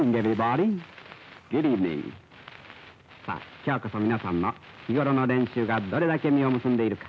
きょうこそ皆さんの日頃の練習がどれだけ実を結んでいるか。